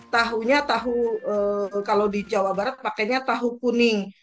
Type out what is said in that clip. tahunya tahu kalau di jawa barat pakainya tahu kuning